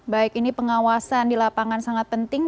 baik ini pengawasan di lapangan sangat penting